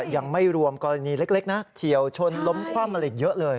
ยังไม่รวมกรณีเล็กนะเฉียวชนล้มคว่ำอะไรอีกเยอะเลย